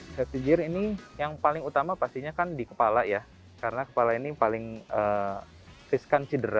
saya pikir ini yang paling utama pastinya kan di kepala ya karena kepala ini paling riskan cedera